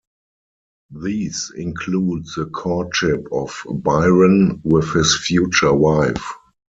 These include the courtship of Byron with his future wife.